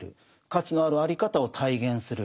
価値のあるあり方を体現する。